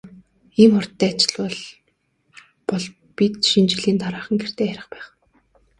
Ийм хурдтай ажиллавал бол бид Шинэ жилийн дараахан гэртээ харих байх.